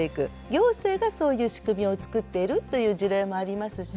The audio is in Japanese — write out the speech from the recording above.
行政がそういう仕組みを作っているという事例もありますし。